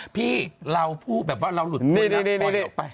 พี่เราพูดแบบว่าเราหลุดคุยนะโปรยออกไป